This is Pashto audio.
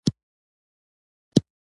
ويې ويل هېڅ خبره نشته بابا.